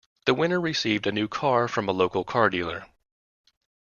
The winner received a new car from a local car dealer.